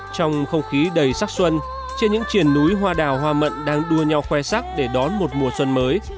trong không khí đầy sắc xuân trên những triển núi hoa đào hoa mận đang đua nhau khoe sắc để đón một mùa xuân mới